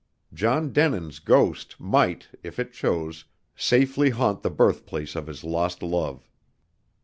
John Denin's ghost might, if it chose, safely haunt the birthplace of his lost love.